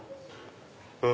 あ！